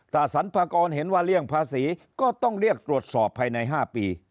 ถ้าสรรพากรเห็นว่าเลี่ยงภาษีก็ต้องเรียกตรวจสอบภายใน๕ปี